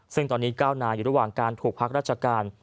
ซึ่งตอนนี้๙นายอยู่ระหว่างการถูกพักราชการ